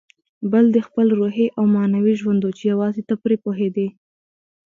بل دې خپل روحي او معنوي ژوند و چې یوازې ته پرې پوهېدې.